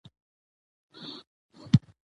کار د انسان د وړتیاوو څرګندونه کوي